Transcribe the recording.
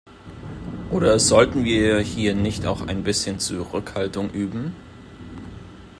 Oder sollten wir hier nicht auch ein bisschen Zurückhaltung üben?